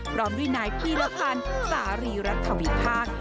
พร้อมด้วยนายพิธภัณฑ์สาริรธวิภาค